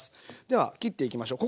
では切っていきましょう。